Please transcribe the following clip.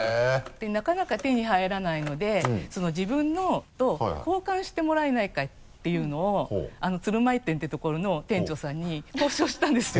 でなかなか手に入らないので自分のと交換してもらえないかっていうのを「つるまい店」って所の店長さんに交渉したんですよ。